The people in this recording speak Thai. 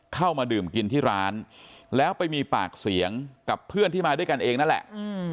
เข้ามาดื่มกินที่ร้านแล้วไปมีปากเสียงกับเพื่อนที่มาด้วยกันเองนั่นแหละ